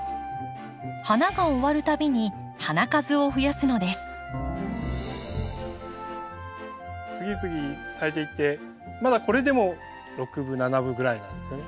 花が終わる度に次々咲いていってまだこれでも６分７分ぐらいなんですよね。